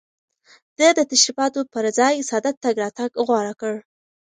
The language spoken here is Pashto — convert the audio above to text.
ده د تشريفاتو پر ځای ساده تګ راتګ غوره کړ.